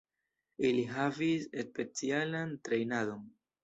Ili havis specialan trejnadon.